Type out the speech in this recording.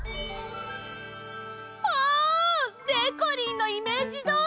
わあ！でこりんのイメージどおり！